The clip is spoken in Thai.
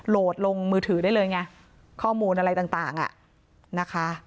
โหลดลงมือถือได้เลยไงข้อมูลอะไรต่างอ่ะนะคะ